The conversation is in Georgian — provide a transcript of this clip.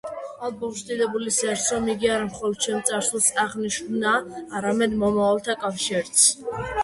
ალბომში დიდებული ის არის, რომ იგი არა მხოლოდ ჩემი წარსულის აღნიშვნაა, არამედ მომავალთა კავშირიც.